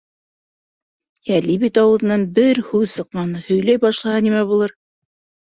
Әле бит ауыҙынан бер һүҙ сыҡманы, һөйләй башлаһа нимә булыр?!